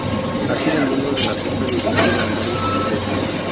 Ha sido miembro de la Junta Directiva en varias empresas.